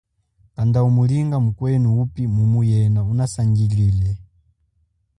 Kanda umulingila mukwenu upi mumu yena unasangilile.